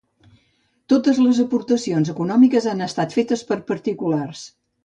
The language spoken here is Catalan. Totes les aportacions econòmiques han estat fetes per particulars.